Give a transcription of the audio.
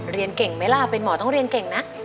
เรียนเก่งไหมล่ะเป็นหมอต้องเรียนเก่งนะ